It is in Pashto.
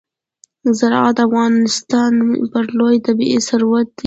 زراعت د افغانستان یو لوی طبعي ثروت دی.